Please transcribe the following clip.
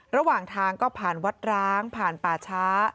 ระหว่างทางก็ผ่านวัดร้างผ่านป่าช้า